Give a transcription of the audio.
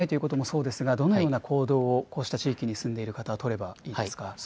具体的には近づかないということもそうですが、どのような行動を、こうした地域に住んでいる方は取ればいいですか。